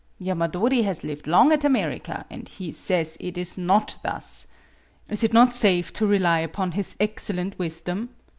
" Yamadori has lived long at America, and he says it is not thus. Is it not safe to rely upon his excellent wisdom